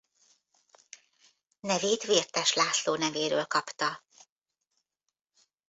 Nevét Vértes László nevéről kapta.